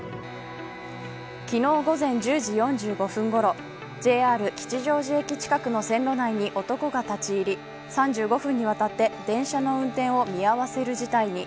昨日午前１０時４５分ごろＪＲ吉祥寺駅近くの線路内に男が立ち入り３５分にわたって電車の運転を見合わせる事態に。